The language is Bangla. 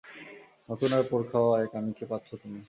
নতুন আর পোড় খাওয়া এক আমিকে পাচ্ছো তুমি।